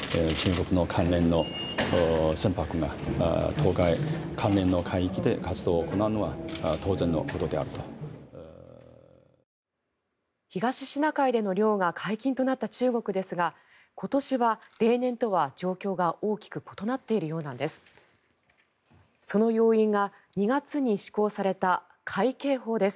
東シナ海での漁が解禁となった中国ですが今年は例年とは状況が大きく異なっているようなんです。